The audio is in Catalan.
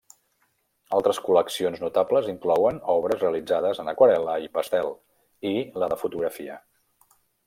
Altres col·leccions notables inclouen obres realitzades en aquarel·la i pastel, i la de fotografia.